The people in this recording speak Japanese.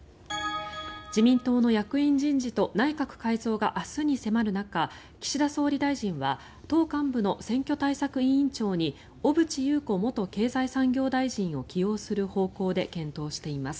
自民党の役員人事と内閣改造が明日に迫る中岸田総理大臣は党幹部の選挙対策委員長に小渕優子元経済産業大臣を起用する方向で検討しています。